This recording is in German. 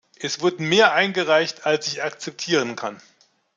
Es wurden mehr eingereicht als ich akzeptieren kann.